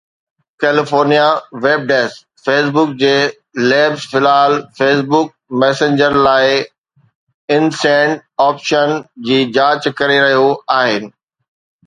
California web desk Facebook جي labs في الحال فيس بڪ ميسينجر لاءِ ان-سينڊ آپشن جي جاچ ڪري رهيون آهن.